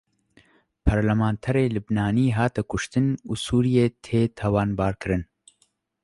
Perlemanterê Libnanî hate kuştin û Sûriyê tê tawanbar kirin